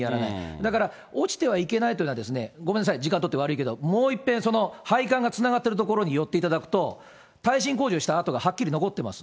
だから、落ちてはいけないというのは、ごめんなさい、時間取って悪いけれども、もういっぺん、配管がつながっている所に寄っていただくと、耐震工事をした跡がはっきり残ってます。